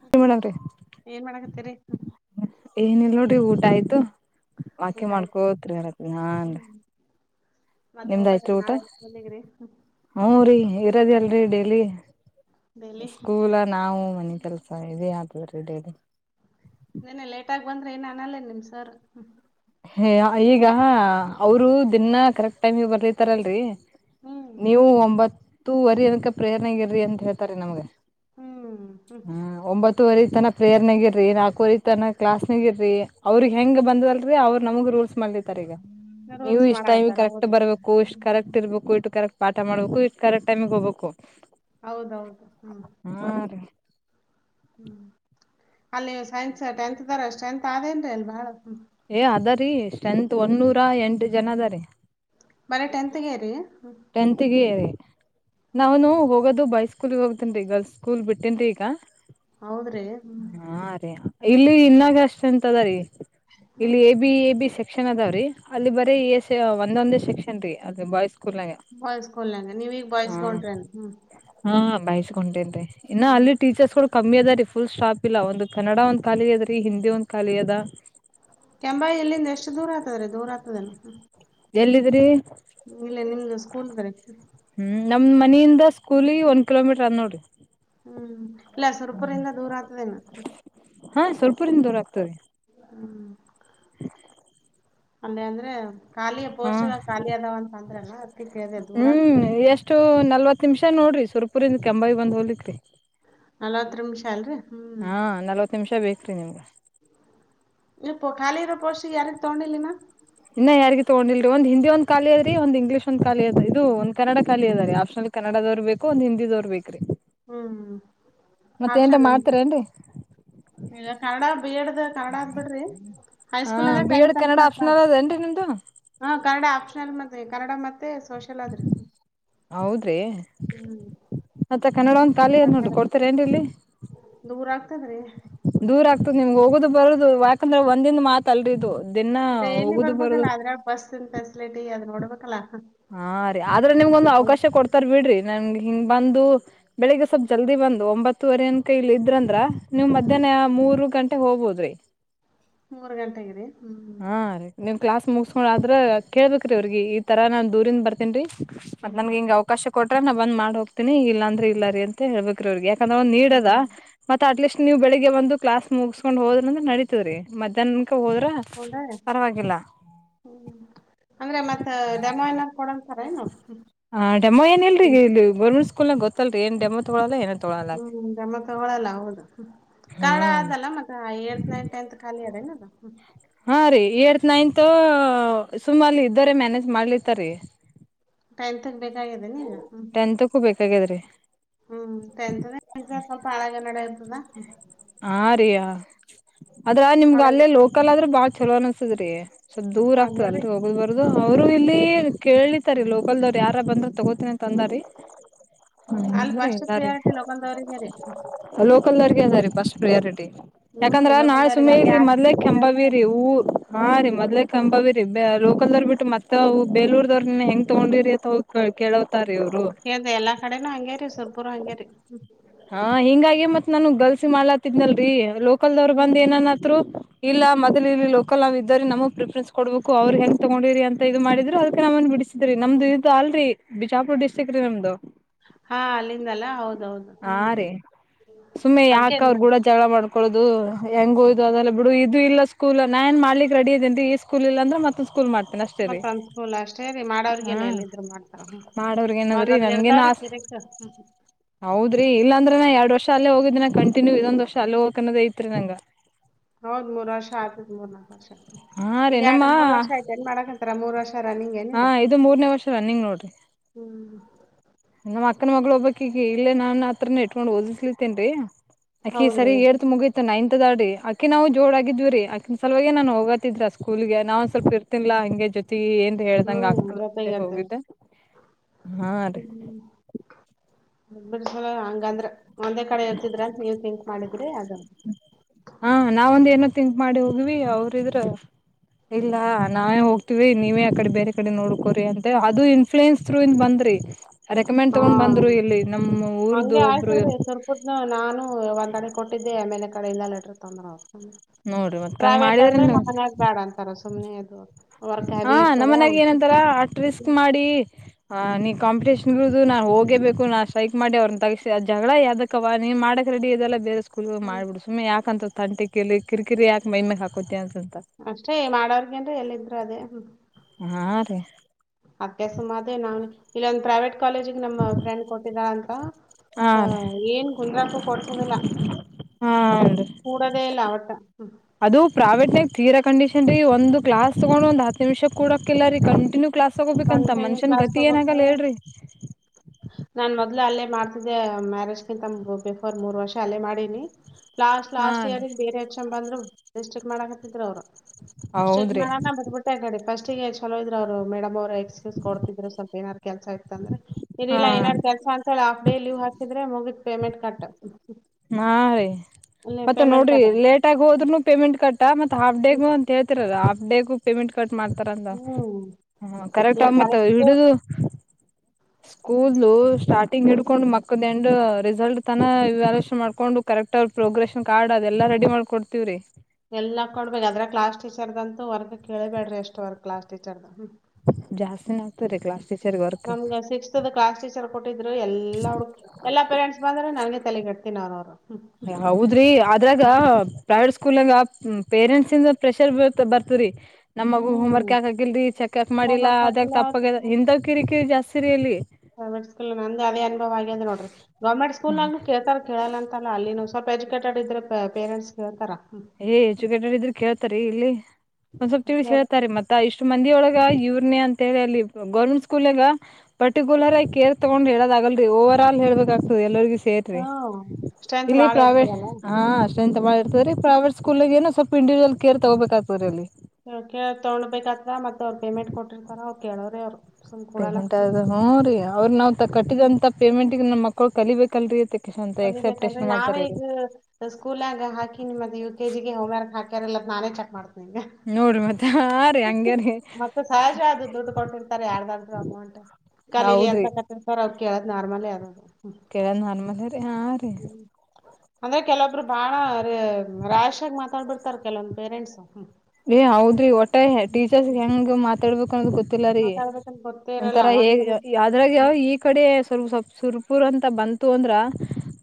ರೊಟ್ಟಿ ಮಾಡತಿನಿ, ಏನ್ ಮಾಡಕತ್ತೀರಿ ಏನ ಇಲ್ಲ ನೋಡ್ರಿ ಊ [unintelligible] ಟಾ ಆಯ್ತು ಊಟ ವಾಕಿಂಗ್ ಆಯ್ತು ಮಾಡ್ಕೋತ್ರಿರ ಹಾಂಗ್ [unintelligible] ಮತ್ತ ಹೋಗ್ಬೇಕ ನಾಳೆ ಸ್ಕೂಲ್ ಗ ರೀ [unintelligible] [unintelligible] ಇರತದ ಅಲ್ರರಿ ಡೈಲಿ. ಡೈಲಿ ಸ್ಕೂಲ ನಾವು ಮನಿ. [unintelligible] ಕೆಲಸಾ ಇದೇ ಆದರೂ ಡೇಟ್ ನಿನ್ನೆ ಲೇಟಗ ಬಂದ್ರೆ ಏನ್ ಅನಲ್ಲೇನ್ ನಿಮ್ಮ ಸರ್ ಹೇ ಈಗ ಅವರು ದಿನಾ ಕರೆಕ್ಟ್ ಟೈಮಗೆ ಬರ ಬರ್ಲಿತಾರಲ್ರಿ ಹ್ಮ್ ನೀವು ಒಂಬತ್ತ. ಹತ್ತುವರಿ ಅನದಕ ಪ್ರೇರಣೆಗ ಇರಿ ಅಂತ ಹೇಳ್ತಾರೆ ನಮಗ [unintelligible] ಹ್ಮ್ ಹ್ಮ್ ಹೂ ಒಂಬತ್ತ [unintelligible] ಹತ್ತುವರಿ ತನ ಪ್ರೇಯರ್ ನಗಿರ್ರಿ ನಾಲ್ಕುವರೆ ತನ ಕ್ಲಾಸ್ ನಗಿರ್ರಿ. [unintelligible] ಅವ್ರಿಗೆ ಹೆಂಗ ಬಂದಲ್. [unintelligible] ಅವರು ನಮಗೆ ರೋಲ್. ಮಾಡ ತ ಈಗ ನೀವು ರೂಲ್ಸ್ ಇಷ್ಟ್ ಟೈಮ್ ಮಾಡಾಕತ್ತಾರ ಕರೆಕ್ಟ್ ಹೌದು ಬರ್ಬೇಕು ಇಷ್ಟ್ ಕರೆಕ್ಟ್ ಇರ್ಬೇಕು ಇಟ್ಟು ಕರೆಕ್ಟ್. ಪಾಠ ಮಾಡ್ಬೇಕು ಇಟ್ ಕರೆಕ್ಟ್ ಟೈಮ್ಗ್ ಹೋಗಬೇಕು. ಹೌದೌದು ಹ್ಮ್ ಹಾ ರೀ ಹ್ಮ್ ಅಲ್ಲಿ ನೀ ಸೈನ್ಸ್ ಸ್ತ್ರೀಡೆಂತ್ ಆದೇನ್ರಿ ಅಲ್ ಬಾಳ ಏ ಅದರಿ ಸ್ತ್ರೀಡೆಂತ್ ಒನ್ನ್ನೂರ ಎಂಟ ಜನ ಅದಾರೀ ಬರೀ ಟೆಂತ್ಗೆೇರಿ ಟೆಂತ್ಗೆ ರೀ ನಾನು ಹೋಗೋದು ಬಾಯ್ಸ್ ಸ್ಕೂಲ್ ಹೋಗತೇನ್ ಈ ಗಲ್ ಸ್ಕೂಲ್ ಬಿಟ್ಟೇನ್ ಈಗ ಹೌದ್ರಿ ಹಾ ರೀ ಇಲ್ಲಿ ಇನ್ನಾಗ ಸ್ತ್ರೀಡೆಂತ್ ಆದರಿ ಹ್ಮ್ ಇಲ್ಲಿ A B A B S section ಅದಾವ್ರೀ ಅಲ್ಲಿ ಬರೀ ಒಂದೊಂದೇ ಸೆಕ್ಷನ್ ರೀ ಅದು ಬಾಯ್ಸ್ ಸ್ಕೂಲ್ನಾಗ ಬಾಯ್ಸ್ ಸ್ಕೂಲ್ ನಾಗ ನೀವು ಈವಾಗ ಬಾಯ್ಸ್ ತಕೊಂಡ್ರಿ ಏನಾ ಬಾಯ್ಸ್ ಕುಂಟೆರಿ ಇನ್ನು ಅಲ್ಲಿ ಟೀಚರ್ಸ್ಗಳು ಕಮ್ಮಿ ಅದ ರೀ ಫುಲ್ ಸ್ಟಾಪ್ ಇಲ್ಲ ಒಂದು ಕನ್ನಡ ಒಂದ್ ಖಾಲಿ ಅದ್ರರಿ ಹಿಂದಿ ಒಂದ್ ಖಾಲಿ ಅದ ಕೆಂಬಾಯಿ ಎಲ್ಲಿಂದ ಎಷ್ಟು ದೂರ ಆತದ್ರ ದೂರ ಆತ [unintelligible] ಎಲ್ಲಿದ್ರಿ ಇಲ್ಲ ನಿಮ್ದು ಸ್ಕೂಲ್ ಹ್ಮ್ ನಮ್ ಮನೆಯಿಂದ ಸ್ಕೂಲಿಗೆ ಒಂದ್ ಕಿಲೋಮೀಟರ್ ಅದ್ ನೋಡ್ರಿ ಹ್ಮ್ ಇಲ್ಲ ಸುರಪುರಿಂದ ದೂರ ಆಗತೇದೆನಾ ಹಾ ಸ್ವಲ್ಪರಿಂದ ದೂರ ಆಗ್ತದೆ [unintelligible] ಅಲ್ಲೆ ಅಂದ್ರೆ ಖಾಲಿಯ ಹಾ ಪೋಸ್ಟ್ಗಳು ಖಾಲಿದಾವ ಅ ಎಲ್ಲಾ ಹ್ಮ್ ಎಷ್ಟು ನಲ್ ನಲ್ವತ್ತು ನಿಮಿಷ ನೋಡ್ರ ಸುರ್ಪೂರಿಂದ ಕೆಂಬಾಯಿ ಬಂದು ಹೊಗಳಿಕೆ ನಲ್ವತ್ತು ನಿಮಿಷ ಅಲ್ ರೀ ಹಾ ನಲ್ವತ್ತು ನಿಮಿಷ ಬೇಕು ರಿ ನಿಮ್ಗ ಇ ಖಾಲಿ ಇರೋ ಪೋಸ್ಟ್ಗೆ ಯಾರಿನು ತಗೊಂಡಿಲ್ಲ ಇನ್ನ ಇನ್ನ ಯಾರಿಗೆ ತಗೊಂಡಿಲ್ರಿ ಒಂದ ಹಿಂದಿ ಒಂದು ಖಾಲಿಯಿದೆ ರೀ ಒಂದು ಇಂಗ್ಲಷ್ ಒಂದು ಖಾಲಿ ಆದ್ರಿ ಇದು ಒಂದು ಕನ್ನಡ ಖಾಲಿ ಆದರಿ ಆಪ್ಷನ್ ಕನ್ನಡವರು ಬೇಕು ಒಂದ ಹಿಂದಿದವ್ರ್ ಬೇಕ್ರಿ ಹ್ಮ್. ಮತ್ತೇಟ ಮಾಡ್ತಾರೇನ್ರಿ. ಇಗ ಕನ್ನಡ ಬಿ ಎಡ್್ದ ಕನ್ನಡ ಅಂದ ಬಿಿಡ್ರಿ ಹಾ ಹೈಸ್ಕೂಲ್ ಅಂದ್ರೆ ಬಿ ಎಡ್ ಟೆಂತ್ ಅಂತ. ಕನ್ನಡ ಆಪ್ಷನಲ್ ಅದೇನ್ರಿ ನಿಮ್ದು ಹಾ ಕನ್ನಡ ಆಪ್ಷನಲ್ ಮತ್ೆ ಕನ್ನಡ ಮತ್ತೆ. ಅದ್ರಿ ಹೌದ್ರಿ ಹ್ಮ್ ಮತ್ತೆ ಕನ್ನಡ ಒಂದ ಖಾಲಿ ಅದ ಮತ್ತ್ ನೋಡ್ ಕೊಡ್ತಾರ ಏನ್ ಇಲ್ಲಿ ದೂರ ಆಗ್ತದ್ರಿ ದೂರ ಆ. ನಿಮ್ಗೆ ಹೋಗೋುದು ಬರುದು ಯಾಕಂದ್ರೆ ಒಂದಿನ ಮಾತ್ ಅಲ್ರ. ಡೈಲಿ ಬರ್ಬೇಕಲ್ಲ ಅದ್ರೆ ಬಸ್ಸನ್ ಫೆಸಿಲಿಟಿ ಅದ್ ನೋಡ್ಬ. ಕಲಾ. ಹಾ ರೀ ಆದ್ರೆ ನಿಮ್ಗೊಂದ ಅವಕಾಶ ಕೊಡ್ತಾರ ಬಿಡ್ರಿ ನನ್ಗೆ ಹಿಂಗ. ಬಂದು ಬೆಳಿಗ್ಗೆ ಸ್ವಲ್ಪ್ ಜಲ್ದಿ ಬಂದು ಒಂಬತ್ತುವರೆ ಅನ್ ಕೈ ಇಲ್ಲಿ ಇದ್ರಂದ್ರ. ನೀವ್ ಹ್ಮ್. ಮಧ್ಯಾಹ್ನ ಮೂರು ಗಂಟೆ. ಹೋಗ್ಬೋದ್ರಿ. ಮೂರ್ ಗಂಟೆ ಆಗಿದೆ. ಹಾ ನಿ. ಕ್ಲಾಸ್ ಮುಗಿಸ್ಕೊಂಡುತ್ರ್ರೆ ಕೇಳ್ಬೇಕು ರೀ ಅವ್ರಿಗೆ ಈಥರ ನಾನು ದೂರಿಂದ ಬರ್ತೀನ ರೀ. ಮತ್ತ ಹ್ಮ್ ನನ್ಗೆ ಹಿಂಗ ಅವಕಾಶ. ಕೊಟ್ರೆ ನಾ ಬಂದ ಮಾಡ್ ಹೋಗ್ತಿನಿ ಇಲ್ಲಾಂದ್ರ ಇಲ್ಲಾರಿರಿ ಅಂತ ಹೇಳ್ಬೇಕ್ರಿ ಅವ್ರಿಗೆ. ್ ನೀಡದ ಹ್ಮ್ ಮತ್ತೆ ಅಟ್ಲೀಸ್ಟ್. ನೀವು ಬೆಳಿಗ್ ಒಂದು ಕ್ಲಾಸ್ ಮುಗಸ್ಕೊಂಡ ಹೋದ್ರಂದ್ರ ನಡೀವ್ರೀ ಮಧ್ಯಾಹ್ನ ಹೋದ್ರೆ. ಹದ ಹ್ಮ. ಅಂದ್ರೆ ಮತ್ ಡಮ ಎಲ್ಲ ಕೊಡಂ. ಹ ಡೆಮ್ಮೋ ಏನ ಇಲ್ರಿೀಗ ಇಲ್ಲಿ ಬರ್. ಸ್ಕೂಲ್ ಗೊಲ್ರಿ ಏ ಡೆಮ್ಮ ತಗಳಲ್ಲ. ಹ್ಮ್ ಗಮ್ಮ ತಗಳಲ್ಲ ಹೌದು. ಕಾಳ ಹ್ಮ್ ಆದಲ್ಲ ಮಗ ಎಏತ್ ನಂಟ ಎ. [unintelligible] ಹಾ ರೀ ಏತ್ ನೈನ್ತ್ ಸುಮಾಲ ಇದ್ದರೆ ಮ್ಯಾನೇಜ್ ಮಾಡ್ಲಿತ್ತಾರೀ. [unintelligible] ಬೇಕಾಗಾಗಿದೆ ನೀಗ ಹ್ಮ. ಹಗದ್ರಿ. ಹ್ಮ್ ಂತ ಪಾಳಗನ್ನಡ. ್ಮ. ಹಾ ರಯಾ. ಅದ್ರ ನಿಮ್ಗ ಹಾಳಾಗಿ ಅಲ್ಲೇ ಲೋಕಲ್ ಆದ್ರೂ ಬಾ. ಚಲೋ ಅನಸದ್ರಿ ಸ್ವಲ್ಪ್ ದೂರ ಆಗ್ತದ ಅದೇ ರೀ ಅಲ್ರಿ ಹೋಗುದ್ ಬರ್ದು ಅವ್ರು ಇಲ್ಲಿ ಕೇಳಿ ೀ ಲೋಕಲ್ದವ್ರು ಯಾರ ಬಂದ್ರರು ತಗೋತೀನಿಂತ ಅಂದೀ ಹ್ಮ್ ಅಲ್ಲಿ ಹಂದ್ರ ಎಲ್ಲಾರಿ ಲೋಕಲ್ದವ್ರಿಗ ರೀ ಲೋಕಲ್ದವರ್ಗೆ ಅದಾರಿೀ ಪಸ್ ಹ್ಮ್ ಯಾಕಂದ್ರ ನಾಳೆ ಲೋಕಲ್ದವ್ರಿಗ ಸುಮನೆ ಅಲ್ಲಿ ಇಲ್ಲಿ ಯಾರಿಗ್ ಮೊದ್ೇ ಸಿಗ್ಲಿಲ್ಲ ಕೆಂಬ ಬೀ ಅಂದ್ರೆ ರರಿ ಹಊ ಹಾ ರೀ ಮ್ ಅದೇ ಕಂಬಬವಿರಿ ಲೋಕಲ್ದವ್ರ ಬಿಟ್ಟ ಮತ್ತೆ ಅವು ಬೇಲೂರ್ದವ್ರ ಹೆಂಗ ತಗೊಂಡಿರಿ ಅಂತ ಕೇಳ ಕ್ದ ಎಲ್ಲಾ ಕಡೆನುೂ ಹಂಗ್ಯಾರಿ ಸುರ್ಬೂರು ಹಂಗ್ಯಾರಿ ಹಾ ಹಿಂಗಾಗೆ ಮತ್ ನಾನುಗ್ ಗಲ್ಸಿ ಮಾಲಾತಿದ್ನಲ್ರರಿ ಲೋಕಲ್ದವ್ರು ಹ್ಮ್ ಬಂದ್ ಏನನತ್ರ ಇಲ್ಲ ಮೊದಲ ಇಲ್ಲಿ ಲೋಕಲ್ ಇದ ನಮಗ್ ಪ್ರಿಫ್ರನ್ಸ್ ಕೊಡ್ಬೇಕು ಅವ್ರ ಹೆಂಗ ತಗೊಂಡಿರಿ ಅಂತ ಇದು ಮಾಡಿದ್ರು ಅದಕ್ಕೆ ನ ಬಿ ್ರಿ ನಮ್ದು ಹ್ಮ್ ಇದು ಅಲ್ರರಿ ಬಿಜಾಪು ಡಿಸ ಹಾ ಅಲ್ಲಿಂದಲ್ಲ ಹೌದೌದು ಹಾ ಹ್ಮ್ ರೀ ಸುಮ್ಮನೆ ಯ ಅದ್ಕೆ ಅಕ್ಕ ಅವ್ರ ಕೂಡ ಜಗಳ ಮಾಡ ಮಾಡಡ್ಕೊಳ್ಳೋುದು ಹೆಂಗೋ್ು ಅದೆಲ್ಲ ಬಿಡು ಇದು ಇಲ್ಲ ಸ್ಕೂಲ್ ನಾೇನ್ ಮಾಲಿಕ್ ರೆಡಿ ಇದೇನ್ ರೀ ಈ ಸ್ಕೂಲ್ ಇಲ್ಲ ಅಂದ್ರೆ ಮತ್ತ ಮತ್ತೊಂದ್ ಸ್ಕೂಲ್ ಅಷ್ಟೇರಿ ಹಾ ಮಾಡೋ್ರಿಗೇನ ಎಲ್ಲಿದ್ರು ಮಾಡ್ತಾರ ಮಾಡೋರ್ಗ ಏನದ್ರಿ ಒಂದ್ೊಂದ್ೆರ ನನ್ಗೇನ್ ತಾರೀಕರಕ್ ಹ್ಮ್ ಇಲ್ಲ ಅಂದ್ರೆ ನಾ ಎರಡ್ ವರ್ಷ ಅಲ್ಲೇ ಹೋಗಿದ್ನ ನ ಕಂಟಿನ್ಯೂ ಇದೊಂದ ವರ್ಷ ಅಲ್ಲೇ ಹೋಗ್ ಅೋದೇಐತ್ರಿ ನಂಗ ಹೌದ್ ಮೂರ್ ವರ್ಷ ಆಗ್ತದ್ ಮೂರ್ ನಾಲ್ು ವರ್ಷ ಆ ಹಾ ರೀ ಈಗ ನಮ್ಮ ಎರಡು ಮೂರ್ ವರ್ಷ ಆಯ್ತಲ್ಲಿ ಮಾಡಕ ರ ಮೂ ಹಾ ಇದು ಮೂರ್ನೇ ವರ್ಷ ರನ್ನಿಂಗ್ ನೋಡ್ರಿ ಹ್ಮ್ ನಮ್ಮ್ ಅಕ್ಕನ ಮಗಳು ಒಬ್ಬಕ ಈ ಇಲ್ಲೇ ನಾನ್ ಆತ್ರನ ಇಟ್ಕೊಂಡ್ ಓದಿಸ್ಲಿತೇನ್ರೀ ಅಕ್ಕಿ ಸರಿ ಹೌದ್ರಿ ಹೇಳ್ತು ಮುಗ ನೈನ್ತ್ ಅಡಿ ಆಕ ನಾವು ಜೋಡ್ ಆಗಿದ್ವಿರಿ ಆಕ ಸಲುವಾಗ ನಾನನ್ ಹೋಗತಿದಾ ಸ್ಕೂಲ್ಗೆ ನಾವ ಒಂದ ಸ್ವಲ್ಪ ಇರ್ತಿಿಲ್ಲ ಹಂಗೆ ಜೊತೆ ಏನ್ ಹೇಳ್ದಂಗ ಹ್ಮ್ ಜೊತೆಗ್ ಆಗ್ತಲ್ಲಷ್ಟ ಇರ್ತೇವ್ ಹೋಗಿದ್ದೆ ಹಾ ರೀ ಎಬ ಸಲ ಹಂಗಂದ್ರೆ ಒಂದೇ ಕಡೆ ಇರ್ತಿದ್ರ ನೀವ ಸಿಂಕ್ ಮಾಡಿದ್ರಿ ಅದ ಹಾ ನಾವೊಂದ್ ಏನೋ ತಿಂಕ್ ಮಾಡಿ ಹೋಗವಿ ಅವ್ರ ಇದ್ರ ಇಲ್ಲ ನಾವೇ ಹೋಗ್ತೀವಿ ನೀವೇ ಆ ಕಡೆ ಬೇರೆ ಕಡೆ ನೋಡ ಕೊರಿ ಅಂತ ಹೇಳ್ ಅದು ಇನ್ಫ್ಲೂಯೆನ್ಸ್ ತ್ರು ಇಂದ ಬಂದ್ರಿ ರೆಕಮೆಂಡ್ ಹಾ ತಗೊಂಡ್ ಬಂದ್ರು ಇಲ್ಲಿ ನಮ್ಮ ಊರದು ಒಬ್ರು ಕುಡ್ ನಾನು ಒಂದ್ ಕಡೆ ಕೊಟ್ಟಿದ್ದೆ ಎಮ್ಮೆಲೆ ಕಡೆಯಿಂದ ಲೆಟರ್ ತೊಂದ್ರುಅವರು ನೋಡಿ ಮತ್ತೆ ಎಂಗ ಮಾಡಿದಾರಲ್ಲ ನೀವು ಮನ್ಯಾಗ್ [inaudible] ಬ್ಯಾಡ ಅಂತಾರ ಸುಮ್ನೆ ಅದೆವು ಹಾ ನಮ್ಮನಾಗ ಏನಂತಾರ ಆಟ ರಿಸ್ಕ್ ಮಾಡಿ ಹ ನೀ ಕಾಂಪಿಟೇಷನ್ ಇರುವುದು ನಾನ್ ಹೋಗೇಬೇಕು ನಾ ಸ್ಟ್ರೈಕ್ ಮಾಡಿ ಅವ್ರನ್ನ ತಗಸಿ ಆ ಜಗಳ ಯಾದಕ್ಕವ ನೀನ್ ಮಾಡಕ್ ರೆಡಿ ಇದೆಲ್ಲ ಬೇರೆ ಕು ಮಾಡಬಿಡ್ ಸುಮ್ ಯಾಕ ಅಂತದ್ ತಂಟೆ ಕ ಎಲಿ ಕಿರಿ ಕಿರಿ ಯಾಕ ಮೈಮ್ಯಾಗ್ ಹಕೋತಿ ಅಂತ ಅಷ್ಟೇ ಮಾಡಾರ್ಗೇನ್ ಎಲ್ಲ ಇದ್ರು ಅದ ಹ್ಮ ಹಾ ರೀ [inaudible] ಅದ್ಕೆ ಸುಮ್ ಆದೆ ನಾನ್ [inaudible] ಇಲ್ಲೊಂದ್ ಪ್ರೈವೇಟ್ ಕಾಲೇಜಿ ನಮ್ಮ್ ಫ್ರೆಂಡ್ ಕೊಟ್ಟಿದಾರ ಅಂತ ಹಾ ಹ ರೀ ಏನ್ ಗುಂಡ್ರಾಕೂ ಕೊಡ್ಸೋದಿಲ್ಲ ಹಾನ್ರಿ ಕೂಡದೇ ಇಲ್ಲ ವಟ್ಟ ಹ ಅದು ಪ್ರೈವೇಟ್ನಾಗ ತೀರಾ ಕಂಡೀಷನ್ ರೀ ಒಂದು ಕ್ಲಾಸ್ ತಗೊಂಡು ಒಂದು ಹತ್ತು ನಿಮಿಷ ಕೂಡಕಿಲ್ಲ ರೀ ಕಂಟಿನ್ಯೂ ಕ್ಲಾಸ್ ತಗೋಬೇಕಂತ ಮನ್ಷ್ಯನ್ ಗತಿ ಏನ ತಗೋಬೇಕ ಆಗಲ್ಲ ಹೇಳ್ರಿ ನಾನ್ ಮೊದ್ಲ ಅಲ್ಲೇ ಮಾಡ್ತಿದ್ದೆ ಮ್ಯಾರೇಜ್ಗಿಂತ ಬಿಫೋರ್ ಮೂರ್ ವರ್ಷ ಅಲ್ಲೇ ಮಾಡಿನಿ ಲಾಸ್ಟ್ ಲಾಸ್ಟ್ ಹಾನ್ರಿ ಇಯರ್ಗ್ ಬೇರೆ ಹೆಚ್ಚಮ್ ಬಂದ್ರು [inaudible] ಮಾಡಕತ್ತಿದ್ರ ಅವ್ರು ಸ್ಟ್ರೇಟ್ ಹೌದ್ರಿ ಮಾಡಾನ ಬಿಟ್ಟಬುಟ್ಟೆ ಅ ಕಡೆ ಪಸ್ಟ್ ಮೊದ್ಲ ಚಲೋ ಇದ್ರ ಅವರ ಮೇಡ್ ಮೋರ ಐ ಎಕ್ಸಕ್ಯೂಸ್ ಕೊಡ್ತಿದ್ರು ಸ್ವಲ್ಪ ಏನಾದ ಕೆಲಸ ಇತ್ತು ಅಂದ್ರೆ ಇಲ್ಲಲ್ಲ ಹಾ ಏನಾರು ಕೆಲಸ ಅಂತ ಹೇಳಿ ಹಾಫ ಡೇ ಲೀವ ಹಾಕಿದ್ರೆ ಮುಗಿತು ಪೇಮೆಂಟ್ ಕಟ್ಟ ಹಾ ರೀ ಮತ್ತೆ ಪೇಮೆಂಟ್ ನೋಡ್ರಿ ಕಾರ್ಡ್ ಲೇಟ್ ಆಗ ಹೋದರುನು ಪೇಮೆಂಟ್ ಕಟ್ ಮತ್ ಹಾಫ್ ಡೇ ಅಂತ ಹೇಳತಿರ ಅಲ್ಲ ಡೆ ಗೂ ಪೇಮೆಂಟ್ ಕಟ್ ಮಾಡ್ತಾರಂತ ಹ್ಮ್ [inaudible] ಇಲ್ಲ ಕರೆಕ್ಟ್ ಸ್ಕೂಲ್ ಸ್ಟಾರ್ಟಿಂಗ್ ಹಿಡ್ಕೊಂಡ್ ಮಕ್ಲದ ಎಂಡ್ ರಿಸಲ್ಟ್ ತನ ಇ [inaudible] ಮಾಡ್ಕೊಂಡು ಕರೆಕ್ಟ್ ಅವ್ ಪ್ರೋಗ್ರೆಷನ್ ಕಾರ್ಡ್ ಅದೆಲ್ಲ ರೆಡಿ ಮಾಡ್ ಕೊಡ್ತೀವ್ರಿ ವರ್ಕ ಕೇಳೇಬಡ್ರಿ ಎಷ್ಟ್ರ್ ಕ್ಲಾಸ್ ಟೀಚರ್ದ ಜಾಸ್ತಿನೇ ಹೇಳ್ತೆವ್ರಿ ಕ್ಲಾಸ್ ಟೀಚರ್ಗ್ ವರ್ಕ್ ನಮ್ಗ ಶಕ್ತದ ಕ್ಲಾಸ್ ಟೀಚರ್ ಇದ್ರು ಎಲ್ಲಾ ಹುಡುಕ್ ಎಲ್ಲ ಪೇರೆಂಟ್ಸ್ ಬಂದ್ರ ನನ್ಗೆ ತಲೆಗಟ್ಟತ [inaudible] ನಾರ ಹೌದ್ರಿ ಆದ್ರಾಗ [inaudible] ಸ್ಕೂಲಗ ಪೇರೆಂಟ್ಸಂದ ಪ್ರೆಷರ್ ಬ ಬರ್ತ್ರರಿ ನಮ್ಮಗ ಹೂಮ್ರ್ಕ್ ಹ್ಮ್ ಯಾಕಲ್ರಿ ಚೆಕ್ಾಕ್ ಮಾಡಿಲ್ಲ ಹೋಮ್ವರ್ಕ್ ಅದ ಹಾಕಿಲ್ಲ ತಪ್ಪಾಗ ಚೆಕ್ ಮಾಡಿ. ಹಿಂದ ಕಿರಿ ಕಿರಿ ಜಾಸ್ತಿ ತಿರಿಯಲ್ಲಿ ಪ್ರೈವೇಟ್ ಸ್ಕೂಲ್ ನಂದ ಅದೇ ಅನುಭವ ಆಗ್ಯಿದೆ ನೋ್ರಿ ಗೌರ್ಮೆಂಟ್ ಹ್ಮ ಸ್ಕೂಲ್ ನೂ ಕೇತಾರ ಕೇಳಲ ಅಲ್ಲ ಅಲ್ಲಿ ಸ್ವಲ್ಪ ಎಜುಕೇಟೆಡ್ ಇದ್ರೆ ಪೇರೆಂಟ್ಸ್ೇಳ್ತಾರ ಏ ಯಚ್ಚುಕೇಟರ್ ಇದ್ರರು ಕೇಳ್ತಾರ ಇಲ್ಲಿ ಒಂದ್ವಲ್ಪ ತಿಳ್ ಕೇಳ್- ಹೇಳ್ತಾರೆ ಮತ್ತ ಇಷ್ಟ ಇಷ್ಟು ಮಂದಿೊಳಗ ಇವ್ರನೇ ಅಂತ ಹೇಳಿ ಅಲ್ಲಿ ಗರ್ಮೆಂಟ್ ಸ್ಕೂಲ್ಗ ಪರ್ಟಿಕ್ಯುಲರ್ ಆಗಿ ಕೇರ್ ತಗೊಂಡ್ ಹೇಳೋದಗಲ್ರಿ ಓವರ್ ಆಲ್ ಹ ಹೇಳಬೇಕಾಗ್ತದೆ ಎಲ್ಲರಿ ಸೇತ್ರಿ ಹ್ಮ್ ಸ್ಟ್ರೆಂತ್ ಇಲ್ಲಿ ಭಾಳ ಪ್ರಾವೇಟ್ ಇರ್ತದಲ್ಲ. ಹಾ ಹ್ಮ್ ಅಷ್ಟಂತ ಮಾಡಿರ್ತವ್ರರಿ ಪ್ರೈವೇಟ್ ಸ್ಕೂ ಏನು ಸ್ವಲ್ ಇಂಡಿಜಲ್ ಕರ್ ತಗೋಬೇಕಕ್ತದೆ ಅಲ್ಲಿ ಕೇಳ ತೊಗೊಂಡ್ಬೇಕತ್ರ ಮತ್ತ ಅವ್ರು ಪೇಮೆಂಟ್ ಕೊಟ್ಟಿರ್ತಾರ ಅವ ಕೇಳವ್ರೀ ಅವ್ರು ಸುಮ್ ಕೊಡಲ್ಲ ಪೇಮೆಂಟ್ ಆದ ಹ್ಞೂ ರೀ ಅವ್ರ ನಾವು ತ ಕಟ್ಟ ಂತ ಪೇಮೆಂಟ್ ಗ ನಮ್ಮ ಮಕ್ಕಳು ಕಲಿಬೇಕಲ್ರೀ ಅಲಿಬೇಕಂದ್ರೆ ನಾವೇ ಈಗ ಸ್ಕೂಲ್ಾಗ ಹಾಕಿ ನಿಮ್ಮದ ಯ ಕೆ ಜಿ ಹೋಮ್ರ್ಕ್ ಹಾಕ ಇಲ್ಲ ನೇ ಚಕ್ ಮಾಡತ ನೋಡ್ರಿ ಮತ್ತ ಹಾ ರೀ ಹಂಗೇರಿ ಮತ್ತೆ ಸಹಜ ಅದು ದುಡ್ಡು ಕೊಟ್ಟಿರ್ತಾರೆ ಯಾರ್ದಾದರು ಅಮೌಂಟ್ ಕಲೀಲಿ ಎಂತ ಹೌದ್ರಿ ಕಟ್ಟಿರ್ತಾರೆ ಅವ ಕೇಳದ್ ನಾರ್ಮಲಿ ಹಾ ಕೆಳ ನಾರ್ಮಲ್ ಹಾ ರೀ ಅಂದ್ರೆ ಕೆಲೊಬ್ರು ಬಾಳ ರಾಶ್ ಆಗ ಮಾತಾಬ ಬಿಡ್ತಾರ ಕೆಲವೊಂದ್ ಪೇರೆಂಟ್ಸ್ ಸ ಏ ಹೌದ್ರಿ ಒಟ್ಟ ಟೀಚರ್ಸ್ ಹೆಂಗ ಮಾತ್ ತಡ್ಬೇಕು ಅೋ ಗೊತ್ತು ಲ್ಲ ರೀ ಮಾತಾಡ್ಬೇಕಂತ ಗೊತ್ತೇ ಇರಲ್ಲ ಒಂಥರ ಹೇಗ್ ಒಂದ್ ಅದ್ರಾಗ ಯಾವ ಈ ಕಡೆ ಸ್ವಲ್ಪ ಸ್ ಸ್ವಲ್ಪ ಪೂರ್ ಅಂತ ಬಂತು ಅಂದ್ರ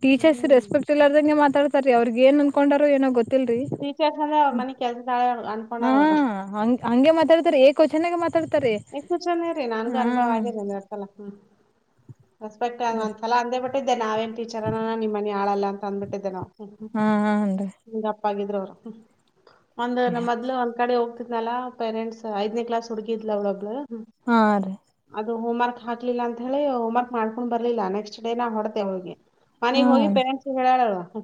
ಟೀಚರ್ಸ್ ಹ್ಮ್ ರೆಸ್ಪೆಕ್ಟ್ ಇಲ್ಲಾರದಂಗೆ ಮಾತಾಡ ಸರ್ ಅವ್ರಗ ಏ ಅನ್ೊಂಡೋ ಏನೋ ಗೊತ್ತ ಚರ್ಂದ್ರೆ ಮ ಕೆಲಸ ನಾಳ. ಹಾ ಹ ಹಗೆ ಮಾತಾಡ್ತಾರೆ. ಕೊ ನ ಮತ್ತೆ. ಎಕ್ಕು ಚನ ಇ ರರಿ ನನ್ಗು ಅನುಭವ ಆಗಿದೆಂದ ಯಕಲ್ಲ ಹ. ರೆಪೆಕ್ಟ್ ಒಂದಸಲ ಅಂದೇಟ್ಟ. [unintelligible] ಟೀಚರ್ ನಿಮ್ಮ. ನಾಳೆಲ್ಲಾ ಅಂದಬಿಟ್ಟಿದ್ದೆನೋ ಹಾ ಹಾ ತಪ್ಪಾಗಿದ್ರ ಒಂದ್ ನ ಮೊದ್ಲು ಒಂದ್ ಕಡೆಹೋಗ. ನಾ ಪೆರೆಂಟ್ಸ್ ಐದನೇ ಕ್ಲಾಸ್ ಹಡುಗಿದ [unintelligible] ಹಾ ರೀ. ಅದು ಹೋಮ್ವರ್ಕ್ ಹಾಕ್ಲಿಲ್ಲ ಅಂತ ಹೇಳಿ ಹೋಮ ವರ್ಕ್ ಮಾಡ್ಕೊಂಡ್ ಬರ್ಲಿಲ್ಲ ನೆಕ್ಸ್ಟ್ ಡೇ ನಾ ಹೊಡತೆ ಅವಳಿಗೆ. ಹಾ ಮನೆಗ್ ಹೋಗಿ ಪೆರೆಂಟ್ಸ್ ಹೇಳಾಳ ಹ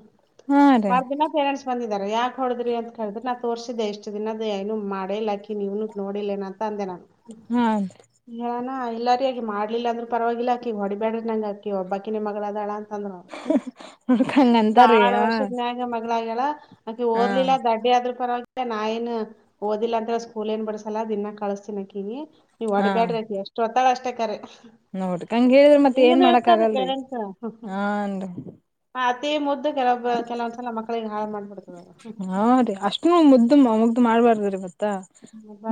ಹಾ ರೀ ಬರ್ದನಾ ರ ಬಂದಿದ್ದಾರೆ ಯಾಕೆ ಹೊಡದ್ರಿ ಅಂತ ಕೇಳಿದ್ರೆ ನಾ ತೋರಸಿದ್ದಾಇಷ್ಟ ದಿನದ ಏನು ಮಾಡೇಯಿಲ್ಲಾ ಆಕಿ ನೀವ ನೋಡಿಲ್ಲ ಏನ ತಂದೇ ನಾ ಹಾ ಎನ್ ಆ ಎಲ್ಲರಿ ಆಗ ಮಾಡಲಿಲ್ಲ ಅಂದ್ರ ಪರವಾಗಿಲ್ಲಾಕಿ ಹೊಬ್ಯಾಡ್ರ ನಂಗೆ ಆಕಿಒಬ್ಬಾಕಿನ ಮಗಳ ಅದಾಳ ಅಂತಂದ್ರ ಅವ್ರ ಅದಕ್ ಹಂಗಂತಾರಯ್ಯ ಅ ಆಕಿ ಓದ್ಲಿಲ್ಲ ಗಡ್ಡಿ ಆದ್ರೂ ಪರ ನಾ ಏನ್ ಓದಿಲ್ಲ ಅಂತ ಸ್ಕೂಲ್ ಏನ್ ಬಿಡಸಲ್ಲ ದಿನ ಕಳಸತ್ತಿನ ಆಕಿಗಿ ನೀವ್ ಅಡ್ಗಾಡ್ರತಿ ಎಷ್ಟು ಅಷ್ಟ ಕರೆ ನೋಡ್ಕಂಗ ಹೇಳ್ರಿ ಮತ್ ಏನ್ ಹಿಂಗನೂ ಮಾಡಕ್ ಇರ್ತಾರಿ ಆಗಲ್ರರಿ ಹಾನ್ರಿ ಅತಿ ಮುದ್ದ ಕೆಲ ಕೆಲವಂದ್ಸಲ ಮಕ್ಕಳಿಗೆ ಹಾಳ ಮಾಡಿಬಿಡತ ಹಾ ರೀ ಅಷ್ಟು ಮುದ್ದು ಅವಗ್ ಮಾಡ್ ಬಾರ್ದ್ರ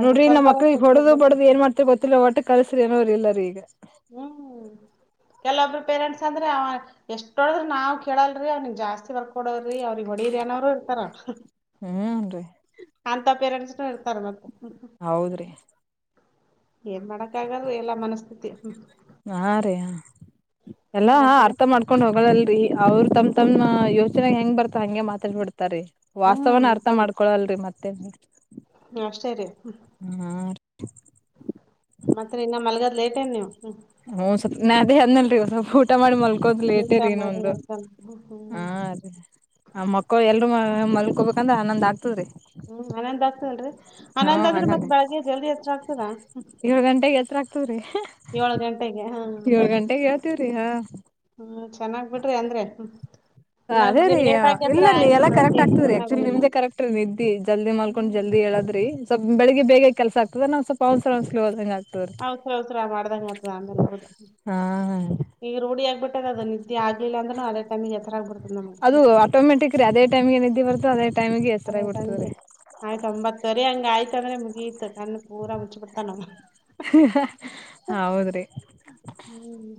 ಅದ ನೋಡ್ರಿ ನಮ್ಮ ಸ್ವಲ್ಪ ಮಕ್ಕಳಿಗೆ ಹೊಡದು ಇರ್ಬೇಕ್ ಬಡದು ಏನ್ ಮಾಡ್ತಿರ್ ಗೊತ್ತಿಲ್ಲ ಒಟ್ಟ ಕಲ್ಸ್ರಿ ಅನೋರ ಇಲ್ಲಾರಿ ಈಗ ಹ್ಮ್ ಕೆಲವೊಬ್ಬರು ಪೇರೆಂಟ್ಸ್ ಅಂದ್ರೆ ಅವ ಎಷ್ಟೊಡದ್ರ ನಾವ್ ಕೇಳಲ್ರಿ ಅವ್ನಿಗ್ ಜಾಸ್ತಿ ವರ್ಕ್ ಕೊಡವ್ರಿ ಅವ್ರಿಗ್ ಹೊಡೀರಿ ಅನೋ ಇರ್ತಾರ ಹ್ಮನ್ರಿ ಅಂತ ಪೇರೆಂಟ್ಸ್ ನು ಕರ್ಮ ಹೌದ್ರಿ ಏನ್ ಮಾಡಕ್ಕಾಗಲ್ಲ ರಿ ಎಲ್ಲಾ ಮನಸ್ಥಿತಿ ಹ್ಮ. ಹಾ ರಿ ಹ. ಎಲ್ಲಾ ಮತ್ರಿ ಅರ್ಥ ಮಾಡ್ಕೊಂಡ್ ಹೋಗೋಲ್ಲಿ ಅವ್ರು ತಮ್ ತಮ್ಮ್ ಯೋಚನೆ ಹೆಂಗ್ ಬರ್ತ ಹಂಗೆ ಮಾತಾಡ್ಬಡ್ತಾರೆ. ರೀ ವಾಸ್ತವನ ಅರ್ಥ ಮಾಡ್ಕೊಳಲ್ರಿ ಮತ್ತೆ [inaudible] ಹ ಅಷ್ಟೇ ರಿ, ಹ್ಮ ರಿ. ಮತ್ರಿ ಇನ್ನ ಮಲ್ಗದ್ ಲೇಟ್ ಏನ್ ನೀವು ಹ ಸ್ವಲ್ ನಾ ಅದೇ ಅದ್ನಲ್ರಿ, ಊಟ ಮಾಡಿ ಮಲ್ಗ ಮಕ್ಕದ್ ಲೇಟೇ ಊಟ ರೀ ಮಾಡಿ ಇನ್ನೊಂದು. ಮಲ್ಕೊಂಡ್ ಹಾ ಹ್ಮ್ ರೀ ಆ ಮಕ್ಕಳ ಎಲ್ರು ಮಲ್ಕೋಬೇಕಂದ್ರೆ ಹನ್ನೊಂದು ಆಗ್ತದರಿ. ಹನಂದಾದ್ರೆ ಮತ್ತೆ ಹನ್ನೊಂದ್ ಬೆಳ್ಳಗೆ ಜಲ್ದಿ ಹತ್ರ ಆಗ್ತದಾ. ಹೆಚ್ಚರ ಆಗ್ತದೆ ರೀ, ಏಳ ಗಂಟೆಗೆ ಹಾ ಹ್ಮ. ನಾವ್ ಹದೇ ರಿ ಲೇಟ್ ಆಗಿ ಎದ್ರ ಇಲ್ಲ ನೀ ಆಯ್ತ್ ಎಲ್ಲಾ ಕರೆಕ್ಟ್ ಬೆಳಗ್ಗೆ ಆಗ್ತದ್ರಿ ಎಚ್ಚರನೇ ಆಕ್ಚುಲಿ ಆಗೋದಿಲ್ಲ ನಿಮ್ದೆ ಕರೆಕ್ಟ್ ರೀ ನಿದ್ದಿ ಜಲ್ದಿ ಮಾಡಲ್ಕೊಂಡು, ಜಲ್ದಿ ಹ್ಮ್. ಹೇಳದ್ರಿ, ಸ್ವಲ್ಪ ಬೆಳಿಗ್ಗೆ ಬೇಗ ಕೆಲಸ ಆಗ್ತದ ನಾ ಸ್ವಲ್ಪ ಹೌಸ್ರಾ ಹೌಸ್ರಾ ಹಂಗ ಹೌಸ ಹಔಸರ ಮಾಡ್ದಂಗ ಆತದ ಆಮೇಲೆ ಹೌದು ಹಾ ಈಗ ರೂಢಿ ಆಗ್ಬಿಟ್ಟು [unintelligible] ಆಗ್ಲಿಲ್ಲ ಅಂದ್ರನೂ ಅದೇ ಟೈಮಿಗೆ ಹೆಚ್ಚಾರ ಆಗ್ಬಿಡ್ತದೆ ನಮಗ ಹ. ಅದು ಆಟೋಮೆಟಿಕ್ ರೀ ಅದೇ ಟೈಮ್ಗೆ [unintelligible] ಅ ಎಚ್ಚರಾಗಿ ಸಂಜೆ ಬಿಡ್ತದ್ರಿ ಆಯ್ತ ಒಂಬತ್ತರೆ ಹಂಗ ಆಯ್ತ ಅಂದ್ರೆ ಮು ಗಿತ್ತು ಹೌದ್ರಿ ಹ್ಮ್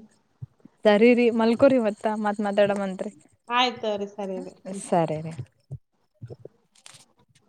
ಸರಿ ಮಲ್ಕೋರಿಮತ್ತ ಮತ್ತ ಮಾತಾಡಮ್ತ್ರಿ ಆಯ್ತ ತೋರಿ ಸರಿ ರೀ. ಸರಿ ರಿ. ಹ್ಮ್ಮ್.